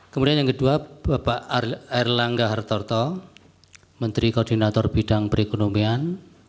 kemudian yang kedua bapak erlangga hartarto menteri koordinator bidang perekonomian